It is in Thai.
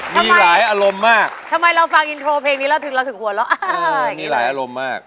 มีหลายอารมณ์มากทำไมเราฟังอินโทรเพลงนี้เราถึงเราถึงหัวเราะเพลงนี้หลายอารมณ์มาก